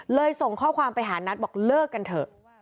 ส่งข้อความไปหานัทบอกเลิกกันเถอะ